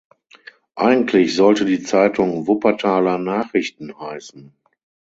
Eigentlich sollte die Zeitung "Wuppertaler Nachrichten" heißen.